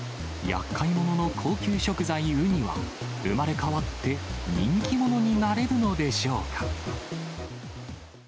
やっかい者の高級食材、ウニは、生まれ変わって人気者になれるのでしょうか。